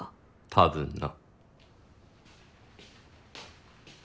多分な。